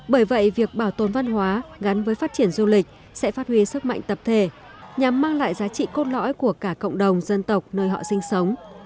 bởi vậy việc bảo tồn văn hóa gắn với phát triển du lịch sẽ phát huy sức mạnh tập thể nhằm mang lại giá trị cốt lõi của cả cộng đồng dân tộc nơi họ sinh sống